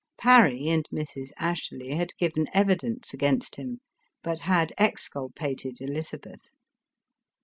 Parry and Mrs. Ashley had given evidence against him, but had exculpated Elizabeth.